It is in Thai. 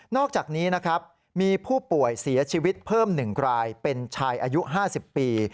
อกจากนี้นะครับมีผู้ป่วยเสียชีวิตเพิ่ม๑รายเป็นชายอายุ๕๐ปี